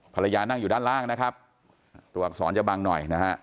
ภรรยานั่งอยู่ด้านล่างนะครับตัวอักษรจะบังหน่อยนะฮะ